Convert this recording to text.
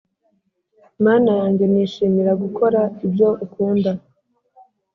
“Mana yanjye nishimira gukora ibyo ukunda